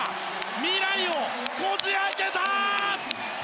未来をこじ開けた！